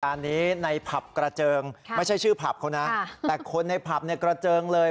อันนี้ในผับกระเจิงไม่ใช่ชื่อผับเขานะแต่คนในผับเนี่ยกระเจิงเลย